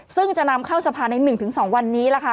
ซึ่งจะนำเข้าสภาใน๑๒วันนี้ล่ะค่ะ